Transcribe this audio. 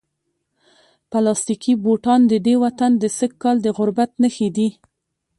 پلاستیکي بوټان د دې وطن د سږکال د غربت نښې دي.